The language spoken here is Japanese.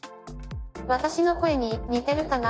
「私の声に似てるかな？」。